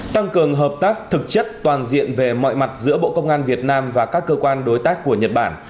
tăng cường hợp tác thực chất toàn diện về mọi mặt giữa bộ công an việt nam và các cơ quan đối tác của nhật bản